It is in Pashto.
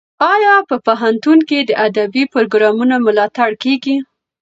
ایا په پوهنتون کې د ادبي پروګرامونو ملاتړ کیږي؟